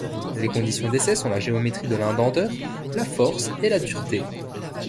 Les conditions d'essai sont la géométrie de l'indenteur, la force et la dureté.